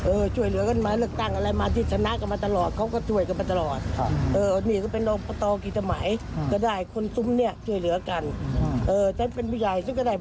เออช่วยเหลือกันมาดักตั้งอะไรดิฉนะกันมาตลอดเขาก็ช่วยกันมาตลอด